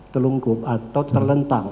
telungkup atau terlentang